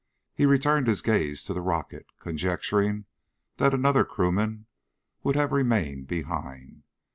He returned his gaze to the rocket, conjecturing that another crewman would have remained behind.